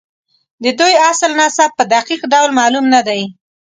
د دوی اصل نسب په دقیق ډول معلوم نه دی.